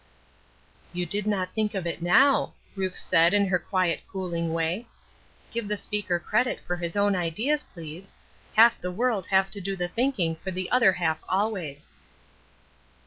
"You did not think of it now," Ruth said, in her quiet cooling way. "Give the speaker credit for his own ideas, please. Half the world have to do the thinking for the other half always."